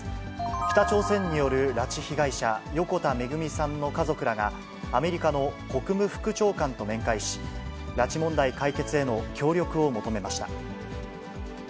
北朝鮮による拉致被害者、横田めぐみさんの家族らが、アメリカの国務副長官と面会し、拉致問題解決への協力を求めました。